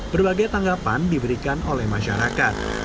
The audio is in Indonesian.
berbagai tanggapan diberikan oleh masyarakat